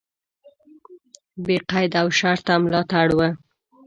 بې قید او شرطه ملاتړ و.